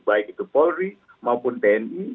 baik itu polri maupun tni